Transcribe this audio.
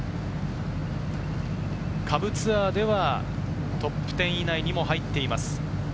下部ツアーではトップ１０以内にも入っています。